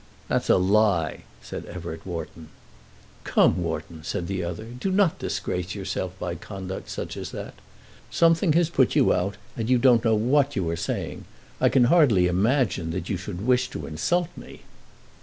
"That's a lie," said Everett Wharton. "Come, Wharton," said the other, "do not disgrace yourself by conduct such as that. Something has put you out, and you do not know what you are saying. I can hardly imagine that you should wish to insult me."